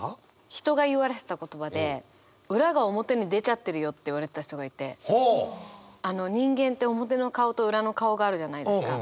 人が言われてた言葉で「裏が表に出ちゃってるよ」って言われてた人がいて人間って表の顔と裏の顔があるじゃないですか。